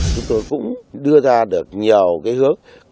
chúng tôi cũng đưa ra được nhiều cái hước